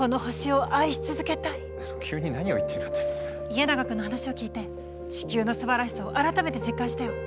家長君の話を聞いて地球のすばらしさを改めて実感したよ。